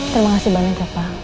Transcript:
terima kasih banyak ya pak